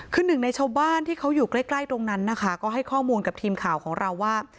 คือหนึ่งในชาวบ้านที่เขาอยู่ใกล้ตรงนั้นนะคะก็ให้ข้อมูลกับทีมข่าวของเราว่า